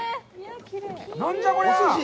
何じゃこりゃ！